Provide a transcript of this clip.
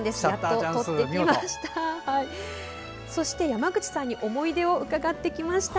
そして山口さんに思い出を伺ってきました。